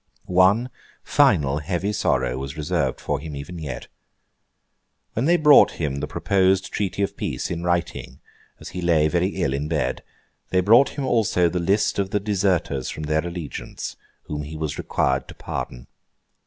One final heavy sorrow was reserved for him, even yet. When they brought him the proposed treaty of peace, in writing, as he lay very ill in bed, they brought him also the list of the deserters from their allegiance, whom he was required to pardon.